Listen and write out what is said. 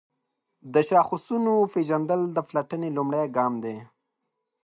د شاخصونو پیژندل د پلټنې لومړی ګام دی.